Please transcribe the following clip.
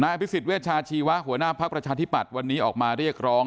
อภิษฎเวชาชีวะหัวหน้าภักดิ์ประชาธิปัตย์วันนี้ออกมาเรียกร้อง